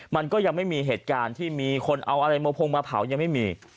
มันก็ยังไม่มีเหตุการณ์ที่มีคนเอาอะไรมาพงมาเผายังไม่มี